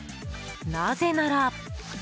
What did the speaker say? なぜなら。